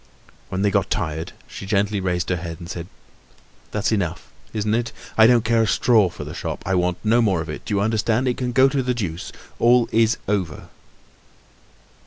When they got tired, she gently raised her head and said: "That's enough, isn't it? I don't care a straw for the shop! I want no more of it. Do you understand? It can go to the deuce! All is over!"